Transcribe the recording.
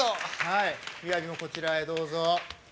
はい雅もこちらへどうぞ。